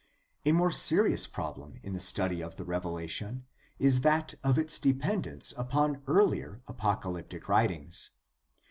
A more serious problem in the study of the Revelation is that of its dependence upon earher apocalyptic writings.